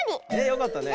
よかったね。